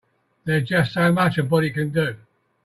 There's just so much a body can do.